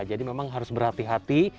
jadi memang harus berhati hati